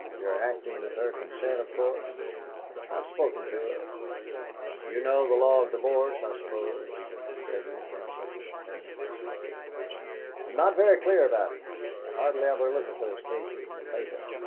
"You're acting with her consent, of course?" "I have spoken to her." "You know the law of divorce, I suppose?" Gregory answered with a painful smile: "I'm not very clear about it; I hardly ever look at those cases in the paper.